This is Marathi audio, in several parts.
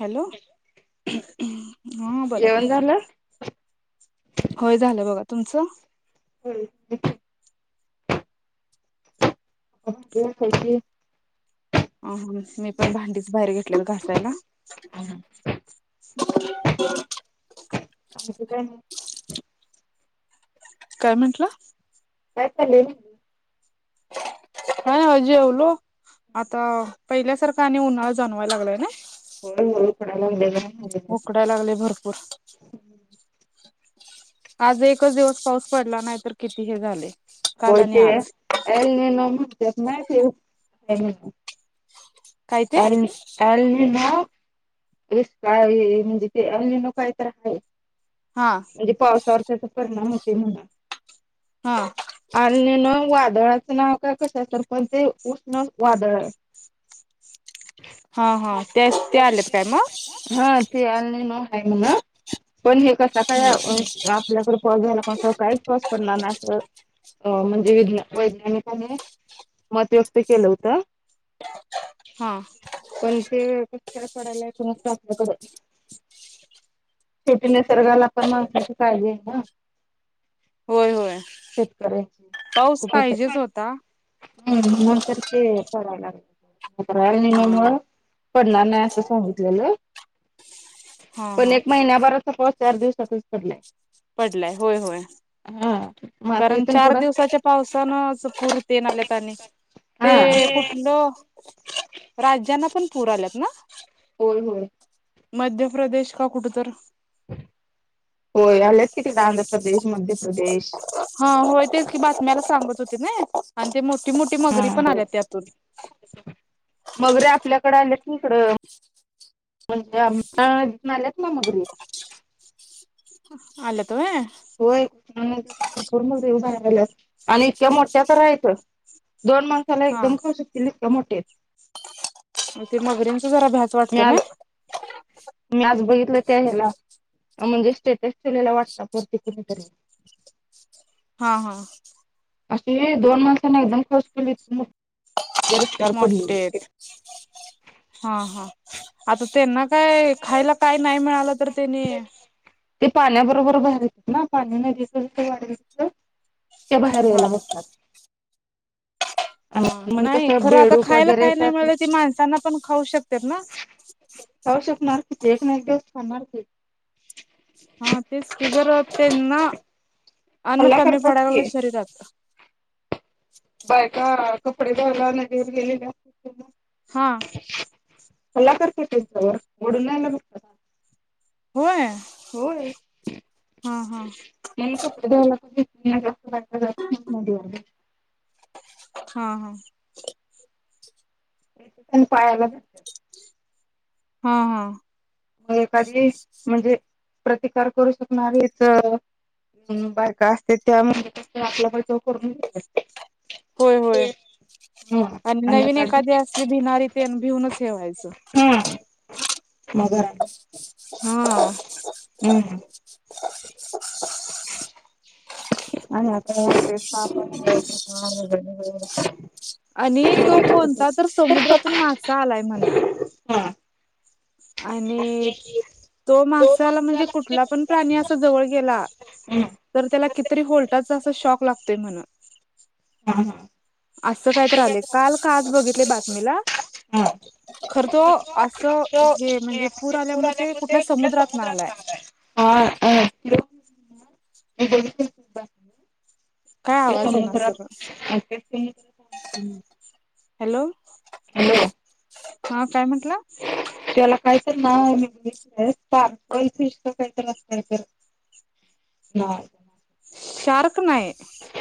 हॅलो हा बोला की जेवण झालं? होय झालं बगा तुमचं. हम्म देते. हो खाची आम्हीच मोठ्या भांडीच बाहेर घेत केलं कासर हाय ना? आणखी काय मग? काय म्हंटला? काय खालेली हा ओ जेवलो. आता पहिल्यासारखा आणि उन्हाळा जाणवायला लागलाय ना? हळू हळू पडाय लागलंय जरा. उकडाय लागले भरपूर आज एकच दिवस पाऊस पडला नाही तर किती हे झाले. काल होय आणि ते आज एल निनो म्हणत्यात नाय ते, हेम काय ते आणि मी. एल निनो इस साल है, म्हणजे ते एल निनो काय तर आहे. हा म्हणजे पावसावर त्याचा परिणाम होते म्हण. हा एल निनो वादळाचं नाव काय कशाच तर पण ते उष्ण वादळ हाय. हा हा ते त्या आलेत त्याना हा, ते आले नाही म्हणा, पण हे का सकाळ. [unintelligible] कायच पाऊस पडणार नाही असं. अ म्हणजे, विज्ञान -वैज्ञानिकाने मत व्यक्त केलं होतं. हा. पण ते [unintelligible] पडायला [unintelligible] आपल्याकड शेवटी निसर्गाला पण माणसाची काळजी आहे ना. होय होय शेतकऱ्यांची. पाऊस पाहिजेच होता. हम्, म्हणून तर ते करायला लागलेत हा [unintelligible] पडणार नाही अस सांगितलेलं, हा पण हा एक महिन्याभर तर पाऊस चार दिवसांतच पडलाय‌. पडलाय होय होय. मग आता कारण इथून चार पुढं दिवसाच्या पावसानं [unintelligible] तेन आल्यात आणि हा ते कुठलं, राज्यांना पण पूर आल्यात ना. होय होय. मध्य प्रदेश का कुठं तर. होय. आलेत कि, तिकड आंध्र प्रदेश मध्य प्रदेश. हा, होय तेच की बातम्याला सांगत होती नी, आणि ते मोठी मोठी मगरी पण आल्या त्यातून. मगरी आपल्याकडं आलेत की इकडं. म्हणजे, आमच्या आल्यात ना मगरी. आलेत व्हयं. होय, कृष्णा नदी भरपूर [unintelligible] आणि इतक्या मोठ्या तर हायत. दोन माणसाला हा एकदम खाऊ शकतील. इतक मोठेेत. ते मगरीनची जरा भ्याच. मी वाटते ना आज, मी आज बघितलं त्या हेला‌. म्हणजे स्टेटस ठेवलेला वाटतं वरती कुणीतरी. हा हा. असली दोन माणसांना एकदम क्स केली मग. मोठेत आहेत, हा.. हा. आता ते ना. काय खायला काही नाही मिळालं तर तेनी. ते पाण्याबरोबर बाहेर येतात ना, पाणी नदीच जसं वाढल तसं ते बाहेर यायला हा बघतात. ह, आणि म्हणजे नाही कसं खरं आता बेडूक खायला वगैरे काही नाही त्यात मिळलं ती, माणसांना पण खाऊ शकतात ना. तवा शिकणार की ते, एक ना एक दिवस खाणार की. हा तेच की जर त्यांना, अन्न हल्ला कमी करतात पडाल की शरीरात. बायका कपडे धुवायला नदीवर गेले ना हा. [unintelligible] ओडून नाहीला बघतात. होय. होय. हा हा [unintelligible] हा हा. [unintelligible] हां हां. एखादी म्हणजे, प्रतिकार करू शकणारी हेचं. हम, बायका असत्याता म्हणून आपल्या त करून घेत्यात. होय होय, आणि नवीन एखादी अस भिणारी तेन भिऊनच हे व्हायचं. हम्म [unintelligible] हां. हम्म [inaudible] [unintelligible] आणि तो कोणता तरी समुद्रातून मासा आलाय म्हण हा. आणि. तो मासाला म्हणजे कुठला पण प्राणी असा जवळ गेला. हा तर त्याला कितीरी व्होल्टाचा अस शॉक लागतोय म्हण ह, ह असं काय तर आलेय काल का आज बघितले बातमीला. हा. खर तो असं हे म्हणजे पूर आल्यामुळे ते कुठल्या समुद्रात ना आलाय. [inaudible] काय आवाज येईना सरळ [unintelligible] हॅलो हॅलो हा काय म्हंटला. त्याला काय. [unintelligible] नाय. शार्क नाय.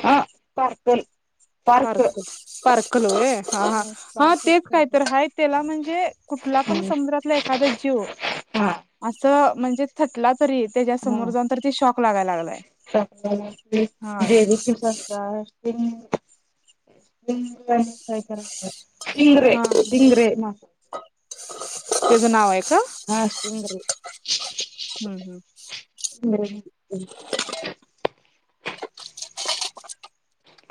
हा पार्सल. पारकल स्पर्कल व्हाय. हा हा हा स्पार्क तेच असं काय तर हा त्याला म्हणजे कुठला पण काहीतरी समुद्रातला ऐक एखादा जीव हा असं म्हणजे थटला तरी. त्याच्या समोर हा जाऊन तर ती शॉक लागायला लागलाय ह जेली फिश [inaudible] [inaudible] कायतर इनद् इनद् हैना. त्याच नाव आहे का? हा समुद्रहे. हम्म हम्म. हम् [unintelligible]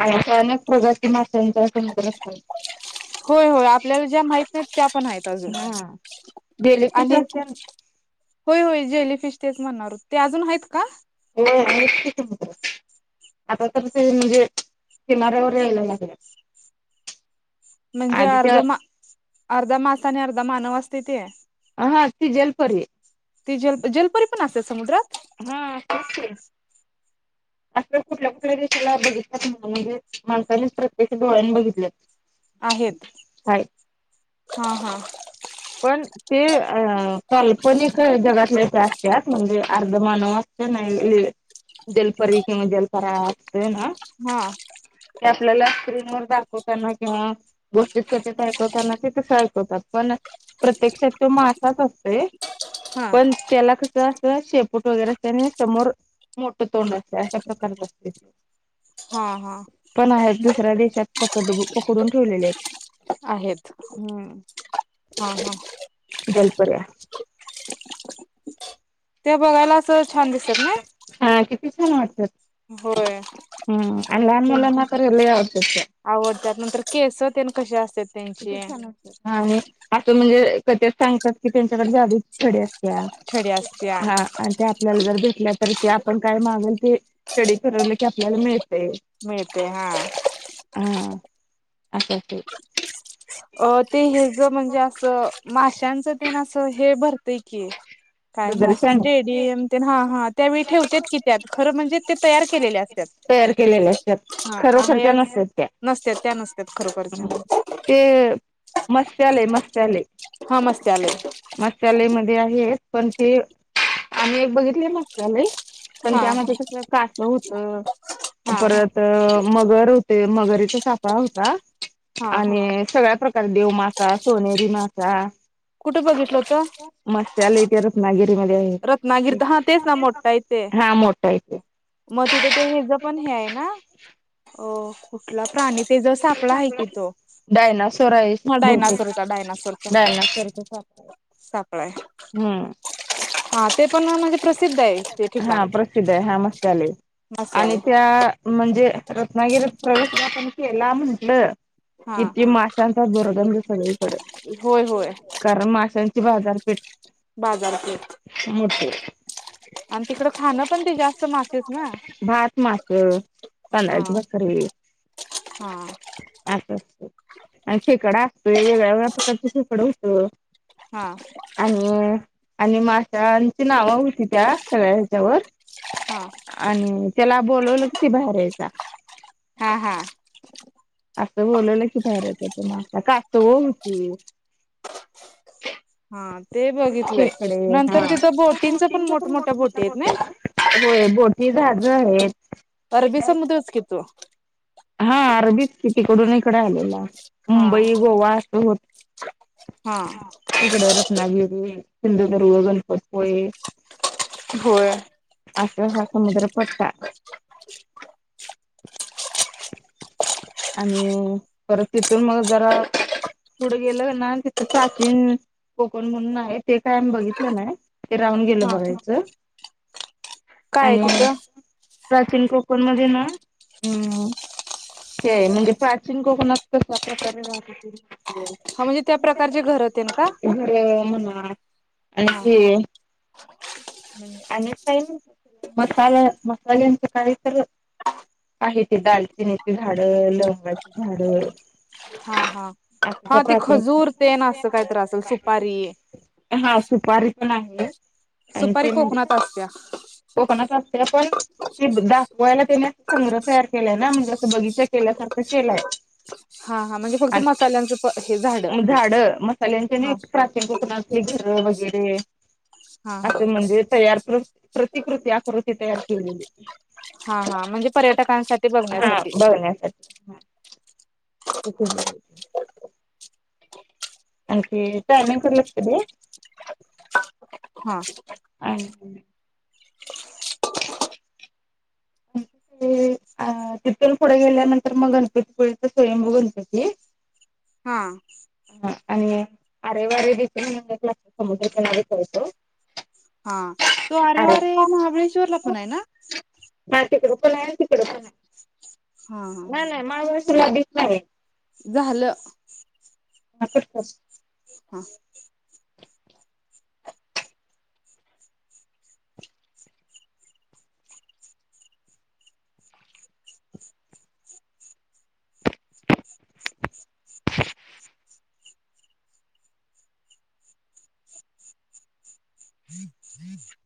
अचानक [unintelligible] प्रगती माशांचा समुद्र अस. होय होय आपल्याला ज्या माहित नाही त्या पण आहेत अजून हा जेलीफिश आणि. असत्या होय होय जेलीफिश तेच म्हणणार हो ते अजून आहेत का. [inaudible] आता तर ते म्हणजे किनाऱ्यावर यायला लागले. म्हणजे अर्ध मा अर्धा मासा आणि अर्धा मानव असते ते आ हा ती जलपरी. ती जल जलपुरी पण असत्या समुद्रात. हा [unintelligible] असं कुठल्या कुठल्या विषाला बघितल्यात नाही म्हणजे माणसानेच प्रत्यक्ष डोळ्यांनी बघितल्यात. आहेत आहेत. हा हा. पण. ते अ काल्पनिक जगातलेच असत्यात म्हणजे अर्ध मानव असतेय नाही. जलपरी किंवा जलपरा असतेय ना. हा ते आपल्याला स्क्रीन वर दाखवताना किंवा गोष्टीत कस ते ऐकवतना ते तस ऐकवतात पण. प्रत्यक्षात तो मासाच असतोय हा पण. त्याला कसं असं शेपूट वगैरे असं आणि समोर. मोठं तोंड असतय अशा प्रकारच असतय. हा हा. पण आहेत दुसऱ्या देशात पकड पकडून ठेवलेले आहेत आहेत हम्म. हा हा. जलपऱ्या. ते बघायला असं, छान दिसत्यात नी. हा किती छान वाटत्यात होय हां, आणि लहान ते मुलांना तर लै आवडत्यात त्या. आवडतात, नंतर केस तेन कसे असतात. किती त्यांची छान असतात, ह आणि असं म्हणजे, क ते सांगतात की त्यांच्याकडे जादूची छडी हाय. त्या छडी असत्या हां. आणि त्या आपल्याला जर भेटल्या तर, ते आपण काय मागेल ते, स्टडी करवलं की आपल्याला मिळते. मिळते हा. हा, अस ते. अ ते, हे ज म्हणजे, असं माश्यांचं ते ना असं, हे भरतंय की. काय वगैरे म्हणत सांग स्टेडियम ते हा, हा त्यावेळी ठेवण्यात की त्यात खरं म्हणजे ते तयार केलेले असत्यात. तयार केलेल्या असतात. हा आहे खरोखरच अस नसतात त्या, नसत्यात त्या, नसत्यात खरोखरच्या. ते मस्यालय मस्यालय. हा मस्त आलंय मसाले मध्ये आहे पण ते, आम्ही एक बघितले मसाले. पण हा त्यामध्ये कस कासव होतं. हा परत मगर होते. मगरीचा सापळा होता. हा आणि सगळ्या प्रका कलदेव मासा, सोनेची मासा कुठं बघितलं होतं मश्या लेत. रत्नागिरी मध्ये आहे. रत्नागिरीत हा तेच ना मोठा आहे ते हा मोठा आहे ते, मग तिथं ते हेजं, पण हे आहे ना हो. कुठला प्राणी तो, तेचा सापळा आहे की तो. डायनासोर आहे हा बहुतेक, डायनासोरचा डायनासोरचा डायनासोरचा सापळा. सापळा हाय. व्हय. हा, ते पण म्हणजे. प्रसिद्ध आहे ते हा ठिकाण प्रसिद्ध आहे हा मसाले, आणि मासेवाले त्या म्हणजे रत्नागिरीत प्रवेश आपण केला म्हंटलं. हा किती माशांचा दुर्गंध सगळीकड. होय होय कारण माशांचे बाजारपेठ बाजारपेठ मोठे ये. आणि तिकड खाणं पण, ते जास्त मासेच ना. भात मास [unintelligible] हां... अस असतंय आणि खेकडा असतोय, वेगवेगळ्या प्रकारचे खेकडं होत. हा... आणि, आणि माशांची नाव होती. त्या सगळ्या हेच्यावर. हा... आणि त्याला बोलवलं कि, ते बाहेर यायचा. हा हा. अस बोलवलं की, बाहेर येतात मास कासवं होती. हा ते बघितलंय खेकडे नंतर हां, तिथं बोटींच पण मोठमोठ्या बोटी मोठमठ्याट आहेत होत्या ना. होय, बोटी जाझ आहेत. अरबी समुद्रच की तो. हां, अरबीच. तिकडून इकडे आलेला, हा मुंबई गोवा असं होत. हा तिकडे रत्नागिरी, सिंधुदुर्ग, गणपतीपुळे. होय. अस हा समुद्र पट्टा. आणि परत, तिथून मग जरा. पुढं गेलं ना तिथं प्राचीन कोकण म्हणून आ. हे ते काय आम्ही बघितलं नाही, ते राहून गेलं हा बघायचं. काय आहे तिथं [unintelligible] प्राचीन कोकण मध्ये ना हम्म. ते म्हणजे प्राचीन कोकणात कशा प्रकारे राहते होते. हा म्हणजे त्या प्रकारचे घर तेन का [inaudible] [inaudible] घरं म्हणा हा आणखी अनेक काही नाही मसाला मसाल्यांचं काही तर आहे ते दालचिनीचे झाडं, लवंगाची झाडं हा हा असं हा त्या ते प्राचीन खजूर ते ना अस काहीतरं असेल सुपारी. हा सुपारी पण आहे आणि सुपारी ते म्ह कोकणात असत्या. कोकणात असते पण ते दाखवायला त्याने संग्रह तयार केलाय ना म जसं बगीचा केल्यासारखं केलाय. हा हा म्हणजे फक्त मसाल्यांचं हे झाड [unintelligible] झाडं मसाल्यांचे नाय हा प्राचीन कोकना ते घरं वेगैरे हा हा असं म्हणजे तयार प्र प्रतिकृती आकृती तयार केलेली. हा हा म्हणजे पर्यटकांसा हा बघण्यासाठी हा उगडलेले आणखी टायमिंग वर लक्ष्य दे. हा. आहे हम्म ते अ तिथून पुढं गेल्यानंतर मग गणपतीपुळेचा स्वयंभू गणपती हा. हा आणि आरे वारे देखील [unintelligible] समुद्र किनारे पळतो. हा तो आरे वारे महाबळेश्वरला पण आहे ना. माझ तिकड पण आहे तिकड पण आहे हा हा ना नाही महाबळेश्वरला बीच नाही. झालं [unintelligible] हा. [inaudible] [unintelligible] हम्म हम्म